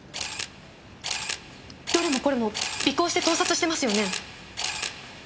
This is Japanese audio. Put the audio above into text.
どれもこれも尾行して盗撮してますよね？